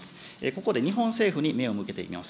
ここで日本政府に目を向けてみます。